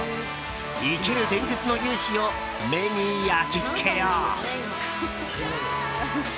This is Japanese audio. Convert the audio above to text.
生ける伝説の雄姿を目に焼き付けよう。